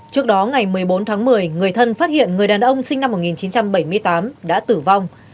trước đó ngày một mươi bốn tháng một mươi người thân phát hiện người đàn ông sinh năm một nghìn chín trăm bảy mươi tám đã tử vong